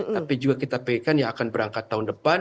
tapi juga kita pengen yang akan berangkat tahun depan